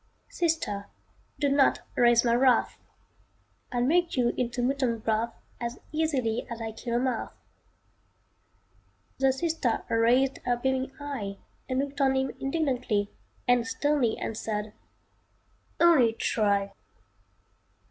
"Sister, do not raise my wrath. I'd make you into mutton broth As easily as kill a moth" The sister raised her beaming eye And looked on him indignantly And sternly answered, "Only try!"